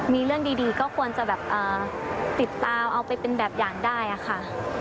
มีเรื่องดีก็ควรจะแบบติดตามเอาไปเป็นแบบอย่างได้ค่ะ